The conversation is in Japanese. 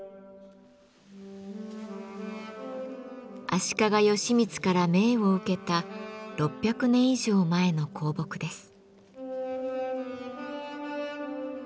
足利義満から銘を受けた６００年以上前の香木です。